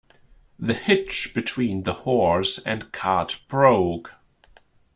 The hitch between the horse and cart broke.